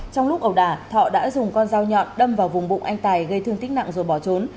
trong lúc ẩu đà thọ đã dùng con dao nhọn đâm vào vùng bụng anh tài gây thương tích nặng rồi bỏ trốn